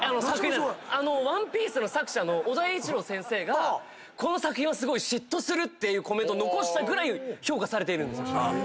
『ＯＮＥＰＩＥＣＥ』の作者の尾田栄一郎先生が「この作品は嫉妬する」っていうコメントを残したぐらい評価されているんですよ。